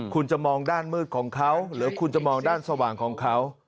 คุณจะมองด้านมืดของเขาหรือคุณจะมองด้านสว่างของเขา